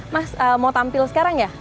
mas mau tampil sekarang ya